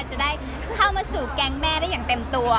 จะได้เข้ามาสู่แก๊งแม่ได้อย่างเต็มตัว